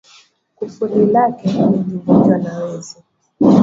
Kufuli lake lilivunjwa na wezi